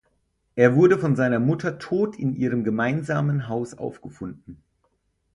Er wurde von seiner Mutter tot in ihrem gemeinsamen Haus aufgefunden.